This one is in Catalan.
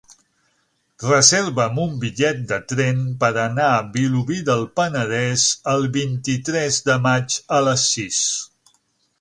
Reserva'm un bitllet de tren per anar a Vilobí del Penedès el vint-i-tres de maig a les sis.